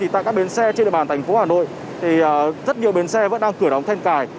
tại các bến xe trên địa bàn tp hà nội rất nhiều bến xe vẫn đang cửa đóng thanh cài